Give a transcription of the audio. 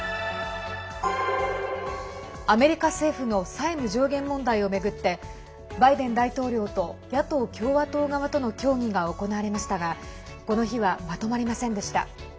アメリカ政府の債務上限問題を巡ってバイデン大統領と野党・共和党側との協議が行われましたがこの日は、まとまりませんでした。